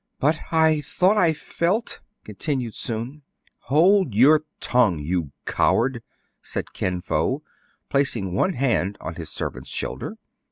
" But I thought I felt "— continued Soun. " Hold your tongue, you coward !*' said Kin Fo, placing one hand on his servant's shoulder.